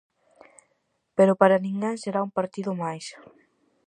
Pero para ninguén será un partido máis.